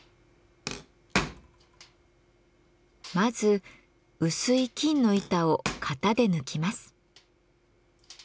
まず薄い金の板を型で抜きます。